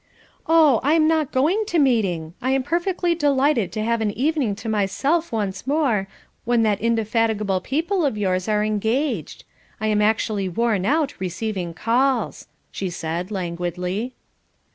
"Oh, I am not going to meeting. I am perfectly delighted to have an evening to myself once more, when that indefatigable people of yours are engaged. I am actually worn out receiving calls," she said, languidly.